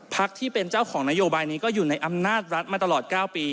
ที่เป็นเจ้าของนโยบายนี้ก็อยู่ในอำนาจรัฐมาตลอด๙ปี